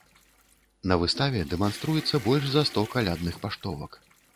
На выставе дэманструецца больш за сто калядных паштовак.